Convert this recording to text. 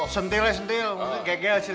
sentil ya sentil kegel sentil